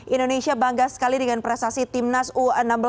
indonesia bangga sekali dengan prestasi timnas u enam belas